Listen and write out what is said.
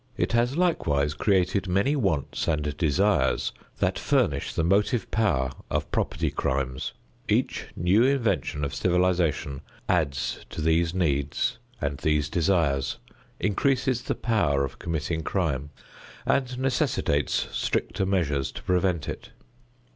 It has likewise created many wants and desires that furnish the motive power of property crimes. Each new invention of civilization adds to these needs and these desires, increases the power of committing crime, and necessitates stricter measures to prevent it.